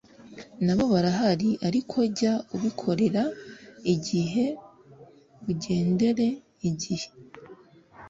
nabo barahari ariko jya ubikorera igihe bugendere igihe